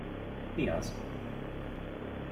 Mi az?